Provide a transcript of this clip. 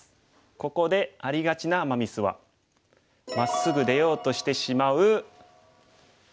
ここでありがちなアマ・ミスはまっすぐ出ようとしてしまうＡの手です。